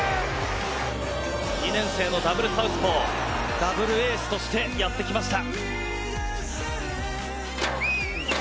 ２年生のダブルサウスポーダブルエースとしてやってきました。